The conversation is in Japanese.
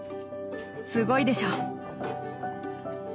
すごいでしょ。